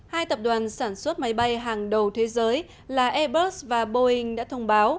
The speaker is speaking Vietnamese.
hai tập đoàn sản xuất máy bay hàng đầu thế giới là airbus và boeing